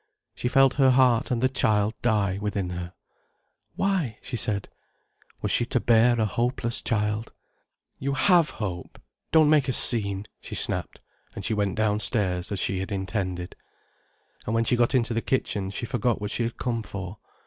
She felt her heart and the child die within her. "Why?" she said. Was she to bear a hopeless child? "You have hope. Don't make a scene," she snapped. And she went downstairs, as she had intended. And when she got into the kitchen, she forgot what she had come for.